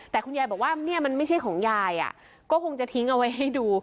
แต่คุณยายบอกว่าเนี่ยมันไม่ใช่ของยายก็คงจะทิ้งเอาไว้ให้ดู